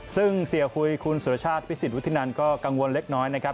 ซึ่งเสียหุยคุณสุรชาติพิสิทวุฒินันก็กังวลเล็กน้อยนะครับ